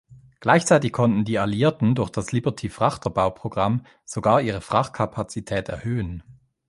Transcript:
Gleichzeitig konnten die Alliierten durch das Liberty-Frachter-Bauprogramm sogar ihre Frachtkapazität erhöhen.